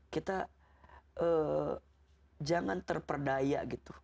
kita jangan terperdaya